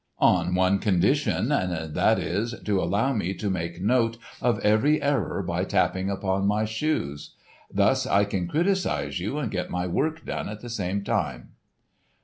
"On one condition, and that is, to allow me to make note of every error by tapping upon my shoes. Thus I can criticise you and get my work done at the same time."